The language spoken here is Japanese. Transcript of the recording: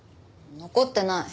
残ってない。